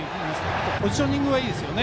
あとポジショニングはいいですよね。